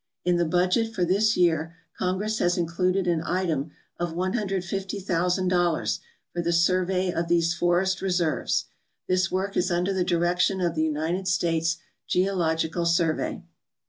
In the budget for this year Congress has included an item of $150,000 for the survey of these forest reserves. This work is under the direction of the United States Geological Survey.